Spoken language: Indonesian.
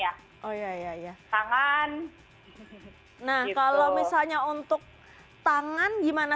jangan dilakukan kalau posisinya tidak solid ya